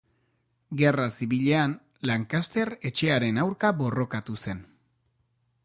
Gerra Zibilean Lancaster etxearen aurka borrokatu zen.